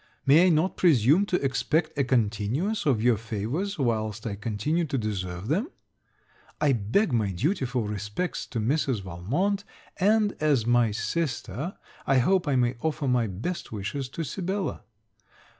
May I not presume to expect a continuance of your favours whilst I continue to deserve them? I beg my dutiful respects to Mrs. Valmont; and, as my sister, I hope I may offer my best wishes to Sibella.